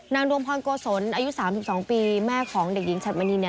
นางรวมพรโกศลอายุ๓๒ปีแม่ของเด็กหญิงชัตเบนี